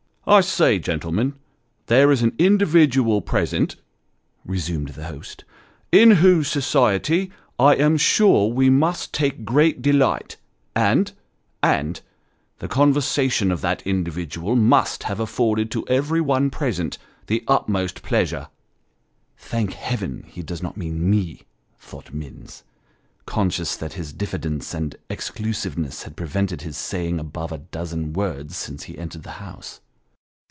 "I say, gentlemen, there is an individual present," resumed the host, " in whose society, I am sure we must take great delight and and the conversation of that individual must have afforded to every one present, the utmost pleasure." [" Thank Heaven, he does not mean me !" thought Minns, conscious that his diffidence and ex clusiveness had prevented his saying above a dozen words since he entered the house.